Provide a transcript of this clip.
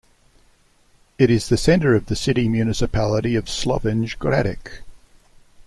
It is the centre of the City Municipality of Slovenj Gradec.